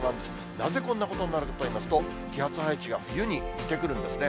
なぜこんなことになるかといいますと、気圧配置が冬に似てくるんですね。